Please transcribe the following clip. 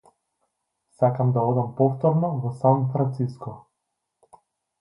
Сакам да одам повторно во Сан Франциско.